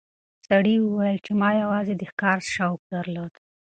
سړي وویل چې ما یوازې د ښکار شوق درلود.